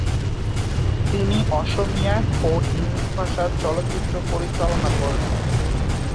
তিনি অসমীয়া ও হিন্দী ভাষার চলচ্চিত্র পরিচালনা করেছেন।